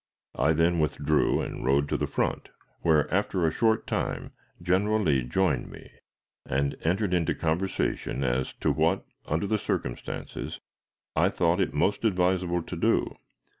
I then withdrew and rode to the front, where, after a short time, General Lee joined me, and entered into conversation as to what, under the circumstances, I thought it most advisable to do.